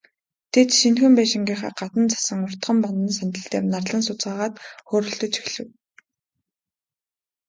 Тэд, шинэхэн байшингийн гадна зассан уртхан бандан сандал дээр нарлан сууцгаагаад хөөрөлдөж эхлэв.